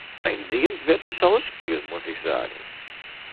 Ein sehenswertes Schauspiel, muss ich sagen.